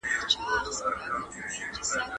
مادي ژبه ستړیا نه راولي.